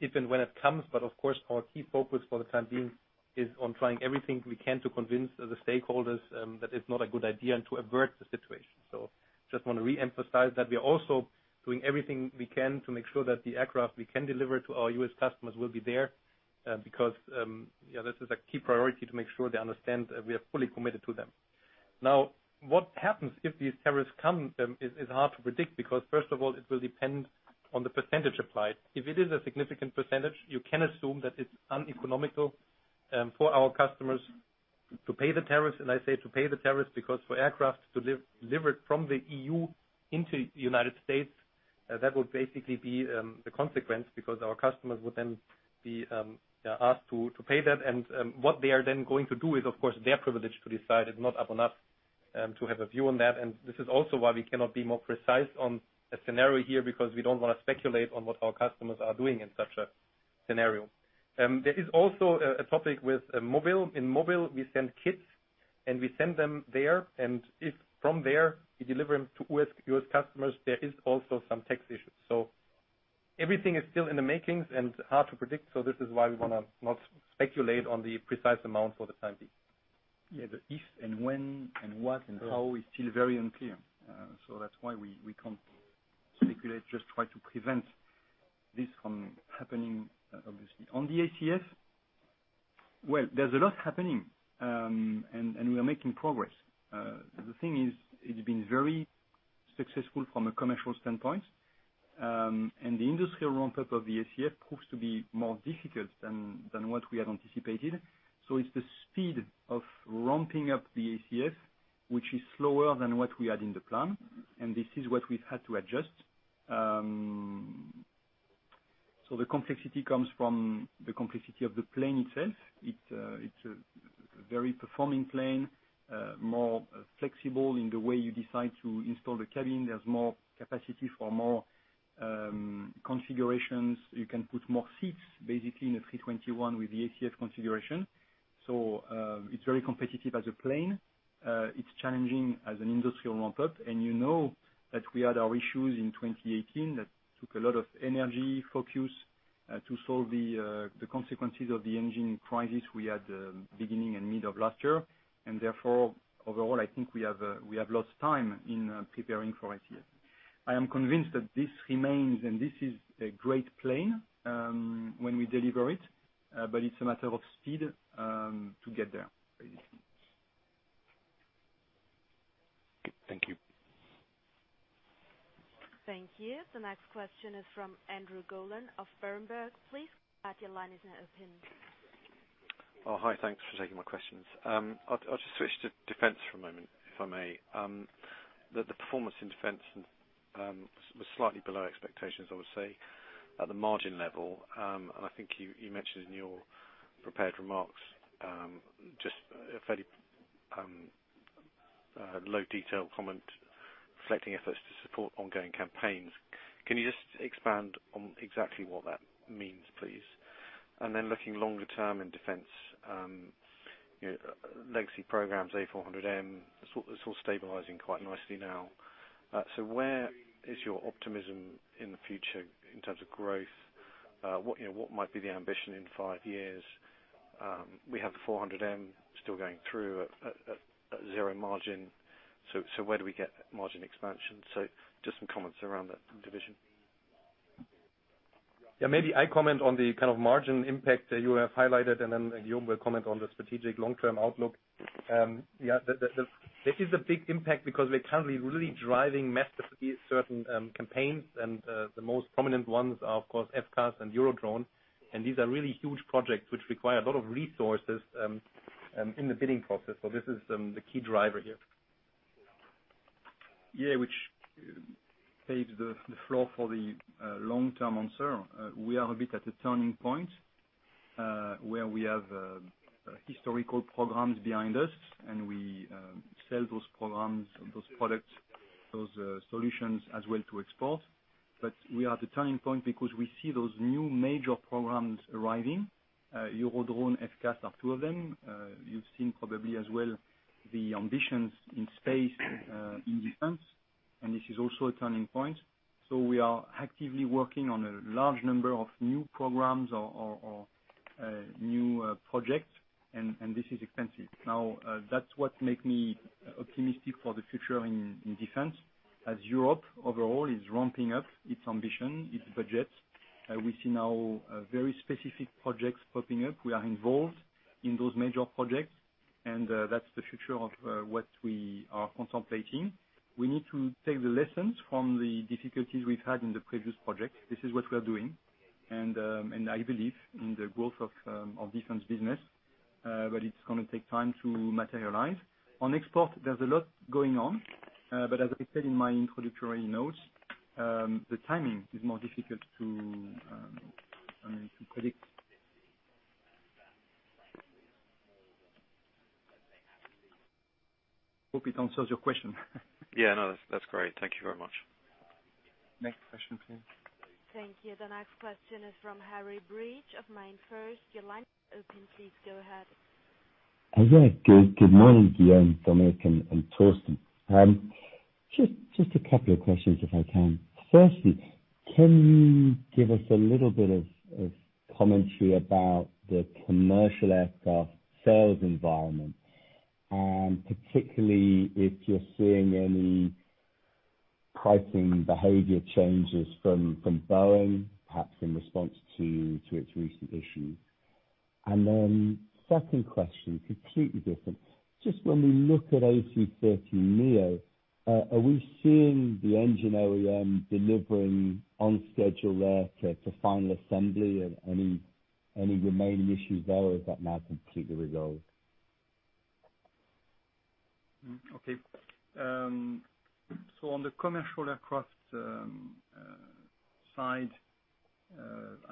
if and when it comes, of course, our key focus for the time being is on trying everything we can to convince the stakeholders that it's not a good idea and to avert the situation. Just want to reemphasize that we are also doing everything we can to make sure that the aircraft we can deliver to our U.S. customers will be there, because this is a key priority to make sure they understand that we are fully committed to them. What happens if these tariffs come is hard to predict because, first of all, it will depend on the percentage applied. If it is a significant percentage, you can assume that it's uneconomical for our customers to pay the tariffs. I say to pay the tariffs because for aircraft to deliver from the E.U. into the United States, that would basically be the consequence because our customers would then be asked to pay that. What they are then going to do is, of course, their privilege to decide. It's not up on us to have a view on that. This is also why we cannot be more precise on a scenario here because we don't want to speculate on what our customers are doing in such a scenario. There is also a topic with Mobile. In Mobile, we send kits, and we send them there, and if from there we deliver them to U.S. customers, there is also some tax issues. Everything is still in the makings and hard to predict. This is why we want to not speculate on the precise amount for the time being. The if and when and what and how is still very unclear. That's why we can't speculate, just try to prevent this from happening, obviously. On the ACF, well, there's a lot happening, and we are making progress. The thing is, it's been very successful from a commercial standpoint. The industrial ramp-up of the ACF proves to be more difficult than what we had anticipated. It's the speed of ramping up the ACF, which is slower than what we had in the plan, and this is what we've had to adjust. The complexity comes from the complexity of the plane itself. It's a very performing plane, more flexible in the way you decide to install the cabin. There's more capacity for more configurations. You can put more seats, basically, in a A321 with the ACF configuration. It's very competitive as a plane. It's challenging as an industrial ramp-up. You know that we had our issues in 2018 that took a lot of energy focus to solve the consequences of the engine crisis we had beginning and middle of last year. Therefore, overall, I think we have lost time in preparing for ACF. I am convinced that this remains, and this is a great plane when we deliver it. It's a matter of speed to get there, basically. Thank you. Thank you. The next question is from Andrew Gollan of Berenberg. Please, your line is now open. Oh, hi. Thanks for taking my questions. I'll just switch to defense for a moment, if I may. The performance in defense was slightly below expectations, I would say, at the margin level. I think you mentioned in your prepared remarks, just a fairly low detail comment reflecting efforts to support ongoing campaigns. Can you just expand on exactly what that means, please? Then looking longer term in defense, legacy programs, A400M, it's all stabilizing quite nicely now. Where is your optimism in the future in terms of growth? What might be the ambition in five years? We have the A400M still going through at zero margin. Where do we get margin expansion? Just some comments around that division. Maybe I comment on the kind of margin impact that you have highlighted, and then Guillaume will comment on the strategic long-term outlook. This is a big impact because we're currently really driving massively certain campaigns and the most prominent ones are, of course, FCAS and Eurodrone. These are really huge projects which require a lot of resources in the bidding process. This is the key driver here. Which paves the floor for the long-term answer. We are a bit at a turning point, where we have historical programs behind us, and we sell those programs, those products, those solutions as well to export. We are at a turning point because we see those new major programs arriving. Eurodrone, FCAS are two of them. You've seen probably as well the ambitions in space, in defense, and this is also a turning point. We are actively working on a large number of new programs or new projects, and this is expensive. Now, that's what make me optimistic for the future in defense as Europe overall is ramping up its ambition, its budget. We see now very specific projects popping up. We are involved in those major projects, and that's the future of what we are contemplating. We need to take the lessons from the difficulties we've had in the previous projects. This is what we are doing. I believe in the growth of defense business, but it's going to take time to materialize. On export, there's a lot going on. As I said in my introductory notes, the timing is more difficult to predict. Hope it answers your question. That's great. Thank you very much. Next question, please. Thank you. The next question is from Harry Breach of MainFirst. Your line is open, please go ahead. Good morning, Guillaume, Dominik, and Thorsten. Just a couple of questions if I can. Firstly, can you give us a little bit of commentary about the commercial aircraft sales environment, and particularly if you're seeing any pricing behavior changes from Boeing, perhaps in response to its recent issues? Second question, completely different. Just when we look at A330neo, are we seeing the engine OEM delivering on schedule there to final assembly? Any remaining issues there or is that now completely resolved? On the commercial aircraft side,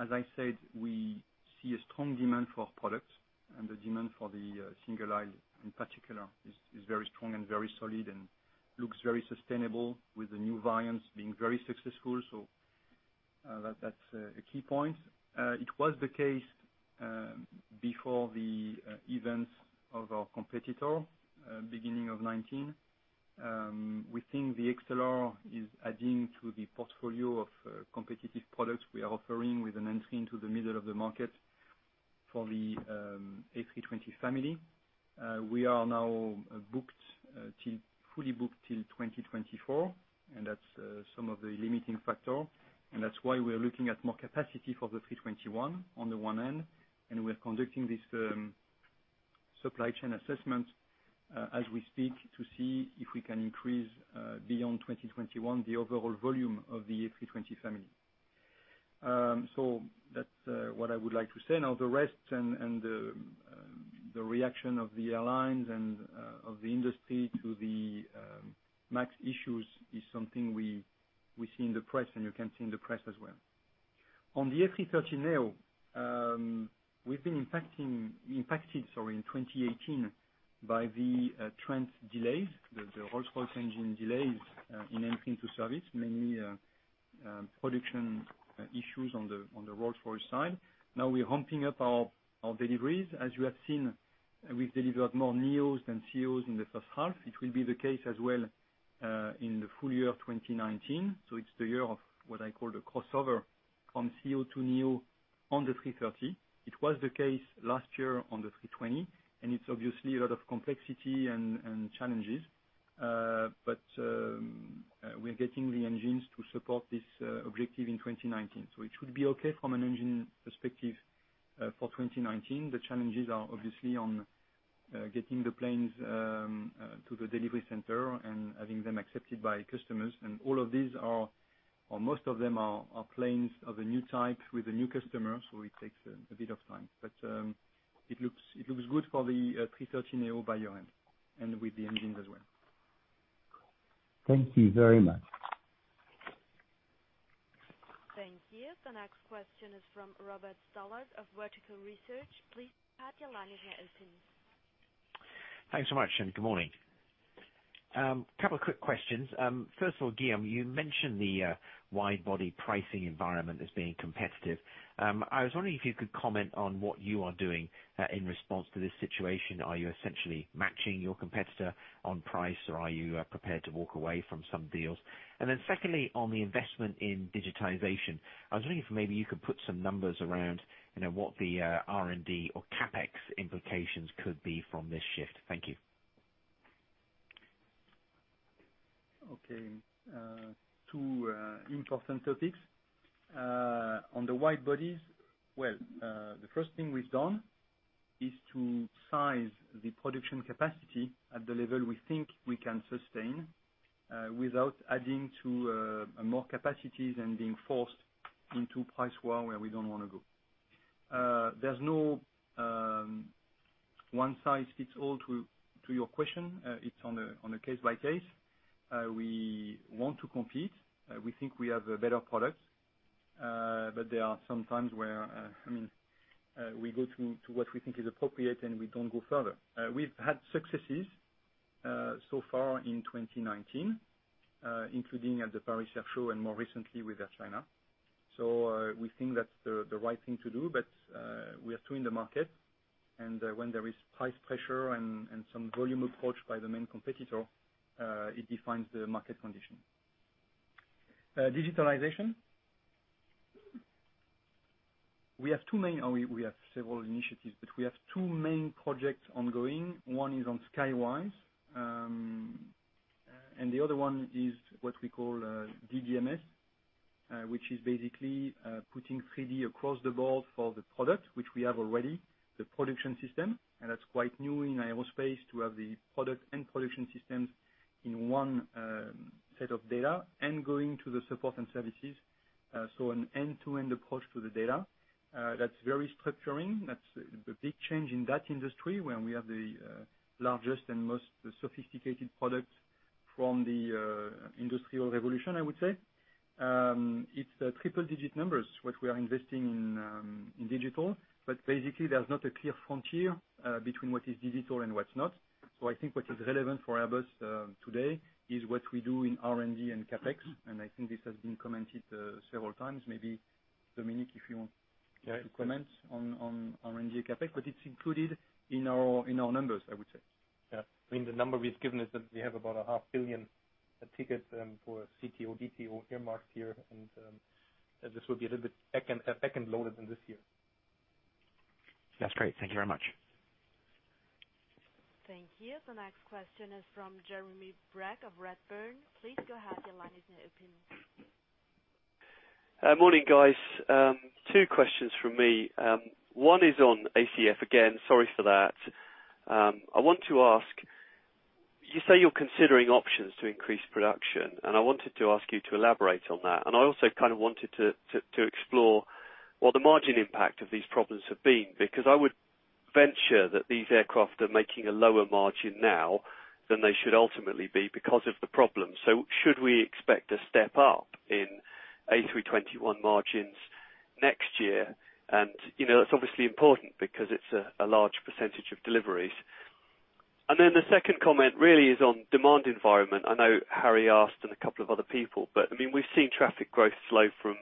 as I said, we see a strong demand for our product, and the demand for the single-aisle, in particular, is very strong and very solid, and looks very sustainable with the new variants being very successful. That's a key point. It was the case before the events of our competitor, beginning of 2019. We think the XLR is adding to the portfolio of competitive products we are offering with an entry into the middle of the market for the A320 family. We are now fully booked till 2024. That's some of the limiting factor. That's why we are looking at more capacity for the A321 on the one end, and we're conducting this supply chain assessment as we speak to see if we can increase, beyond 2021, the overall volume of the A320 family. That's what I would like to say. The rest and the reaction of the airlines and of the industry to the MAX issues is something we see in the press, and you can see in the press as well. On the A330neo, we've been impacted in 2018 by the Trent delays, the Rolls-Royce engine delays in entering to service, mainly production issues on the Rolls-Royce side. We're humping up our deliveries. As you have seen, we've delivered more neos than ceos in the first half. It will be the case as well, in the full year of 2019. It's the year of what I call the crossover from ceo to neo on the A330. It was the case last year on the A320, and it's obviously a lot of complexity and challenges. We are getting the engines to support this objective in 2019. It should be okay from an engine perspective for 2019. The challenges are obviously on getting the planes to the delivery center and having them accepted by customers. All of these are, or most of them are planes of a new type with a new customer, so it takes a bit of time. It looks good for the A330neo by year-end, and with the engines as well. Thank you very much. Thank you. The next question is from Robert Stallard of Vertical Research. Please unmute your line if you're listening. Thanks so much. Good morning. Couple of quick questions. First of all, Guillaume, you mentioned the widebody pricing environment as being competitive. I was wondering if you could comment on what you are doing in response to this situation. Are you essentially matching your competitor on price, or are you prepared to walk away from some deals? Secondly, on the investment in digitization, I was wondering if maybe you could put some numbers around what the R&D or CapEx implications could be from this shift. Thank you. Two important topics. On the widebodies, well, the first thing we've done is to size the production capacity at the level we think we can sustain, without adding to more capacities and being forced into price war where we don't want to go. There's no one size fits all to your question. It's on a case by case. We want to compete. We think we have a better product. There are some times where we go to what we think is appropriate, and we don't go further. We've had successes so far in 2019, including at the Paris Air Show and more recently with Air China. We think that's the right thing to do. We are still in the market, and when there is price pressure and some volume approach by the main competitor, it defines the market condition. Digitalization. We have several initiatives, but we have two main projects ongoing. One is on Skywise, and the other one is what we call DDMS, which is basically putting 3D across the board for the product, which we have already the production system. That's quite new in aerospace to have the product and production systems in one set of data and going to the support and services. An end-to-end approach to the data. That's very structuring. That's a big change in that industry where we have the largest and most sophisticated product from the Industrial Revolution, I would say. It's triple-digit numbers, what we are investing in digital, but basically there's not a clear frontier between what is digital and what's not. I think what is relevant for Airbus today is what we do in R&D and CapEx, I think this has been commented several times, maybe Dominik, if you want to comment on R&D and CapEx, it's included in our numbers, I would say. I mean, the number we've given is that we have about a 0.5 billion ticket for CTO, DTO earmarked here, and this will be a little bit back-end loaded than this year. That's great. Thank you very much. Thank you. The next question is from Jeremy Bragg of Redburn. Please go ahead, your line is now open. Morning, guys. Two questions from me. One is on ACF again, sorry for that. You say you're considering options to increase production, and I wanted to ask you to elaborate on that. I also kind of wanted to explore what the margin impact of these problems have been, because I would venture that these aircraft are making a lower margin now than they should ultimately be because of the problem. Should we expect a step up in A321 margins next year? It's obviously important because it's a large percentage of deliveries. The second comment really is on demand environment. I know Harry asked and a couple of other people, but we've seen traffic growth slow from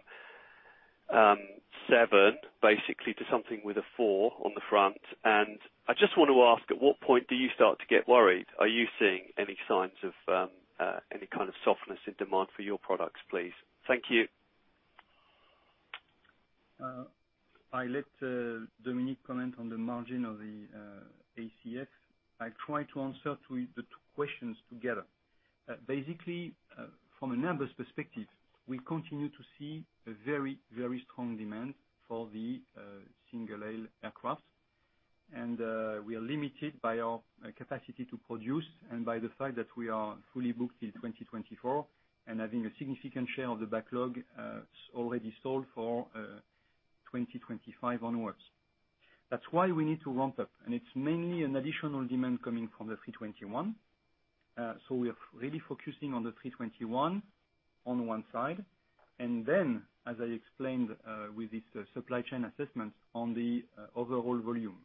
seven basically to something with a four on the front. I just want to ask, at what point do you start to get worried? Are you seeing any signs of any kind of softness in demand for your products, please? Thank you. I let Dominik comment on the margin of the ACF. I try to answer the two questions together. Basically, from an Airbus perspective, we continue to see a very strong demand for the single-aisle aircraft. We are limited by our capacity to produce and by the fact that we are fully booked till 2024 and having a significant share of the backlog already sold for 2025 onwards. That's why we need to ramp up, and it's mainly an additional demand coming from the A321. We are really focusing on the A321 on one side, as I explained with this supply chain assessment on the overall volume.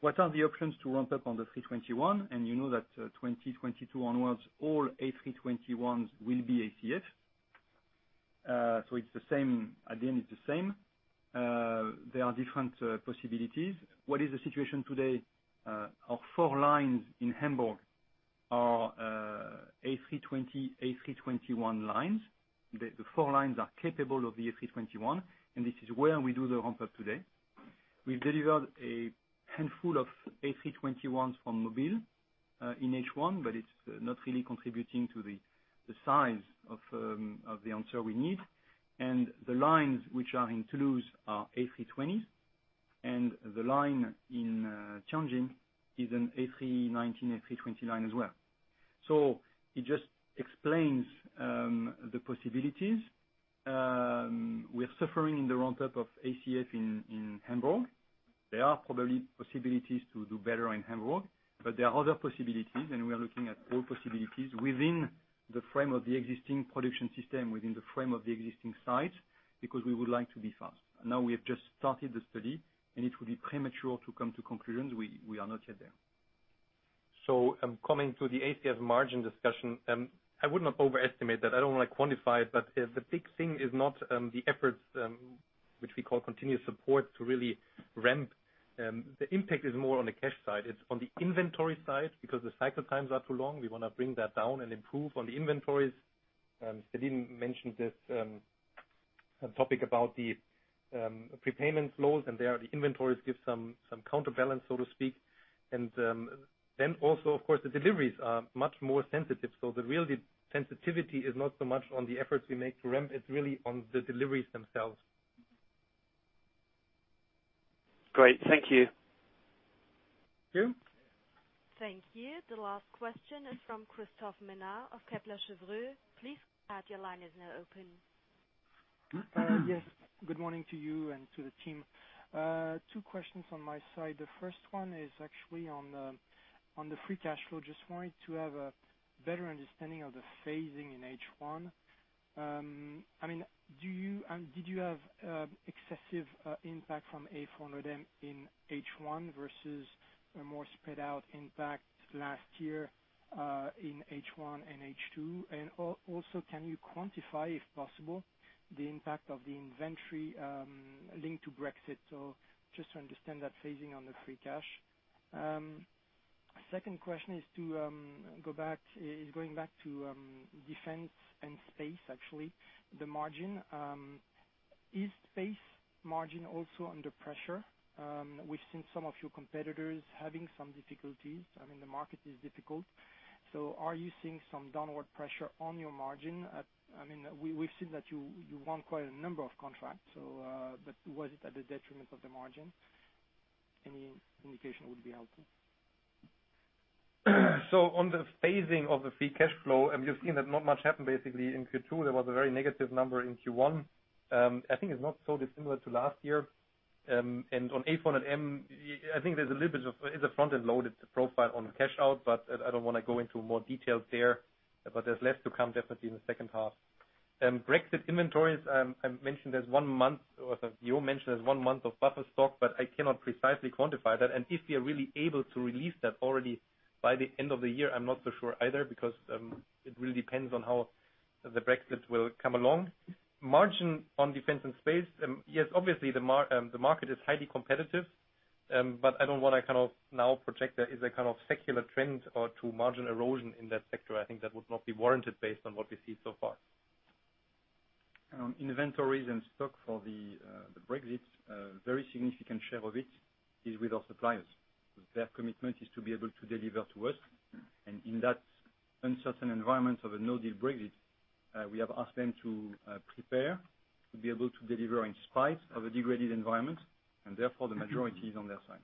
What are the options to ramp up on the A321? You know that 2022 onwards, all A321s will be ACF, at the end it's the same. There are different possibilities. What is the situation today? Our four lines in Hamburg are A320, A321 lines. The four lines are capable of the A321, this is where we do the ramp-up today. We delivered a handful of A321s from Mobile in H1, it's not really contributing to the size of the answer we need. The lines which are in Toulouse are A320s, the line in Tianjin is an A319, A320 as well. It just explains the possibilities. We're suffering in the ramp-up of ACF in Hamburg. There are probably possibilities to do better in Hamburg, but there are other possibilities, and we are looking at all possibilities within the frame of the existing production system, within the frame of the existing site, because we would like to be fast. Now we have just started the study, and it will be premature to come to conclusions. We are not yet there. Coming to the ACF margin discussion, I would not overestimate that. I don't want to quantify it, but the big thing is not the efforts, which we call continuous support to really ramp. The impact is more on the cash side. It's on the inventory side, because the cycle times are too long. We want to bring that down and improve on the inventories. Céline mentioned this topic about the prepayment flows, and there the inventories give some counterbalance, so to speak. Then also, of course, the deliveries are much more sensitive. The real sensitivity is not so much on the efforts we make to ramp, it's really on the deliveries themselves. Great. Thank you. Thank you. Thank you. The last question is from Christophe Menard of Kepler Cheuvreux. Please go ahead, your line is now open. Good morning to you and to the team. Two questions on my side. The first one is actually on the free cash flow. Just wanted to have a better understanding of the phasing in H1. Did you have excessive impact from A400M in H1 versus a more spread out impact last year, in H1 and H2? Can you quantify, if possible, the impact of the inventory linked to Brexit? Just to understand that phasing on the free cash. Second question is going back to defense and space, actually, the margin. Is space margin also under pressure? We've seen some of your competitors having some difficulties. I mean, the market is difficult. Are you seeing some downward pressure on your margin? We've seen that you won quite a number of contracts, but was it at the detriment of the margin? Any indication would be helpful. On the phasing of the free cash flow, you've seen that not much happened basically in Q2. There was a very negative number in Q1. I think it's not so dissimilar to last year. On A400M, I think there's a little bit of a front-end loaded profile on cash out, but I don't want to go into more details there. There's less to come definitely in the second half. Brexit inventories, I've mentioned there's one month of buffer stock, but I cannot precisely quantify that. If we are really able to release that already by the end of the year, I'm not so sure either because it really depends on how the Brexit will come along. Margin on defence and space, yes, obviously the market is highly competitive, but I don't want to now project there is a kind of secular trend to margin erosion in that sector. I think that would not be warranted based on what we see so far. Inventories and stock for the Brexit, a very significant share of it is with our suppliers. Their commitment is to be able to deliver to us. In that uncertain environment of a no-deal Brexit, we have asked them to prepare to be able to deliver in spite of a degraded environment. Therefore the majority is on their side.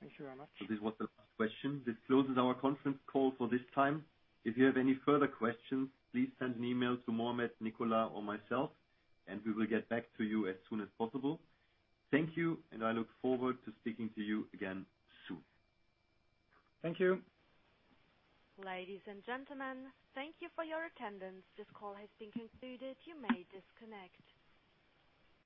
Thank you very much. This was the last question. This closes our conference call for this time. If you have any further questions, please send an email to Mohamed, Nicolas, or myself, and we will get back to you as soon as possible. Thank you, and I look forward to speaking to you again soon. Thank you. Ladies and gentlemen, thank you for your attendance. This call has been concluded. You may disconnect.